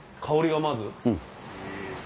香りがまず。